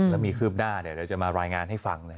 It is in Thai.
แล้วมีคืบหน้าเดี๋ยวจะมารายงานให้ฟัง